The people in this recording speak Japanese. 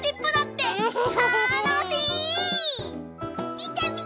みてみて！